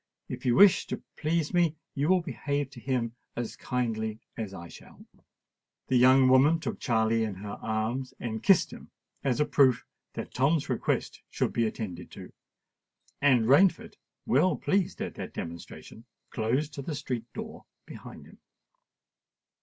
"If you wish to please me, you will behave to him as kindly as I shall." The young woman took Charley in her arms, and kissed him as a proof that Tom's request should be attended to; and Rainford, well pleased at that demonstration, closed the street door behind him.